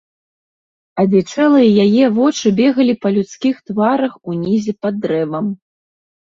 Адзічэлыя яе вочы бегалі па людскіх тварах унізе пад дрэвам.